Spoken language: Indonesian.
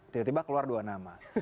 tiba tiba keluar dua nama